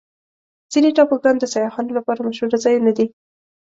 ځینې ټاپوګان د سیاحانو لپاره مشهوره ځایونه دي.